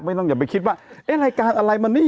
ไม่ต้องอย่าไปคิดว่ารายการอะไรมานี่